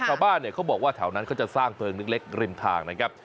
ชาวบ้านเนี่ยเขาบอกว่าแถวนั้นเขาจะสร้างเพลิงเล็กริมทางนะครับ